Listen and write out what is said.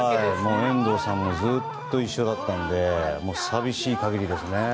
遠藤さんはずっと一緒だったので寂しい限りです。